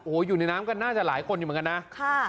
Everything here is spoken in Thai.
โอ้โหอยู่ในน้ำกันน่าจะหลายคนอยู่เหมือนกันนะค่ะ